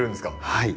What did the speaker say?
はい。